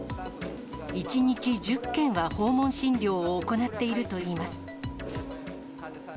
１日１０件は訪問診療を行っているといいます。